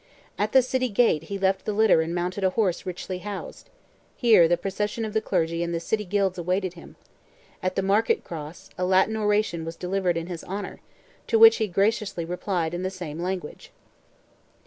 At the city gate he left the litter and mounted a horse richly housed; here the procession of the clergy and the city guilds awaited him; at the Market Cross, a Latin oration was delivered in his honour, to which he graciously replied in the same language.